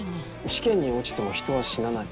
試験に落ちても人は死なない。